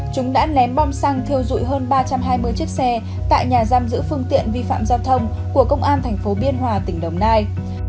chúng đã ném bom xăng thiêu dụi hơn ba trăm hai mươi chiếc xe tại nhà giam giữ phương tiện vi phạm giao thông của công an thành phố biên hòa tỉnh đồng nai